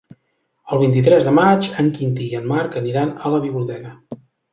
El vint-i-tres de maig en Quintí i en Marc aniran a la biblioteca.